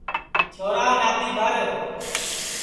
چھورا نادی بھر